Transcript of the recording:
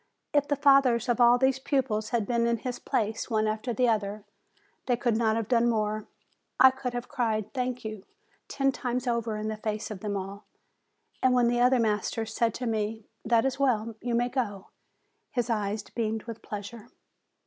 If the fathers of all these pupils had been in his place, one after the other, they could not have done more. I could have cried 'Thank you!" ten times over, in the face of them all. And when the other masters said to me, 'That is well; you may go," his eyes beamed with pleasure.